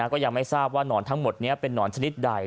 ก็ยังไม่ทราบว่านอนทั้งหมดนี้เป็นนอนชนิดใด